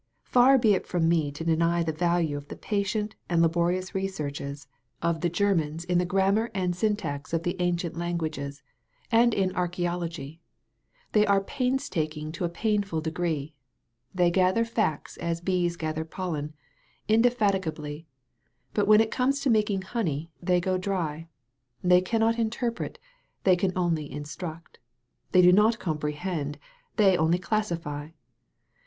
Far be it from me to deny the value of the patient and laborious researches of the Ger 187 THE VALLEY OF VISION mans in the grammar and i^yntax of the ancient languages and in archaeology. They are painstak* ing to a painful degree. They gather facts as bees gather pollen, indefatigably. But when it comes to making honey they go dry. They cannot interpret, they can only instruct. They do not comprehend, they only classify.